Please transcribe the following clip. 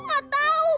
aku nggak tahu